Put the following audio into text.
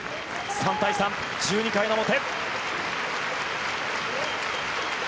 ３対３、１２回の表。